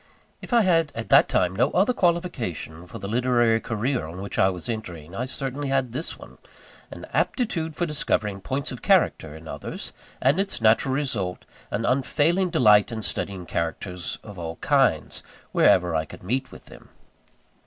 If I had at that time no other qualification for the literary career on which I was entering, I certainly had this one an aptitude for discovering points of character in others: and its natural result, an unfailing delight in studying characters of all kinds, wherever I could meet with them.